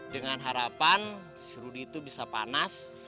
dengan harapan si rudi tuh bisa panas